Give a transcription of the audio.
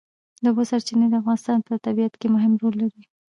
د اوبو سرچینې د افغانستان په طبیعت کې مهم رول لري.